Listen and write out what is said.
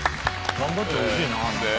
頑張ってほしいね。